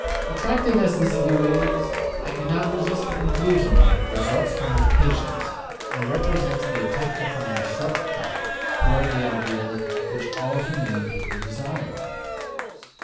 Attractive as this view is, I cannot resist the conclusion that it results from impatience and represents the attempt to find a short cut toward the ideal which all humane people desire.